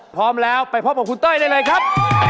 พร้อมแล้วไปพบกับคุณเต้ยได้เลยครับ